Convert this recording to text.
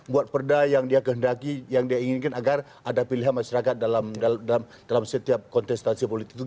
buat perda yang dia kehendaki yang dia inginkan agar ada pilihan masyarakat dalam setiap kontestasi politik itu